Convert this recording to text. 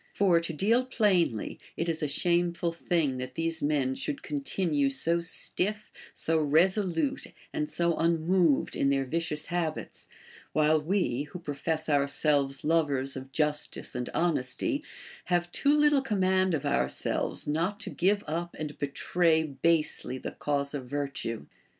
For, to deal plainly, it is a shameful thing that these men should continue so stiff, so resolute, and so unmoved in their vicious habits, while we, Λνΐιο ])rofess ourselves lovers of justice and honesty, have too little command of ourselves not to give up and betray basely the cause of virtue.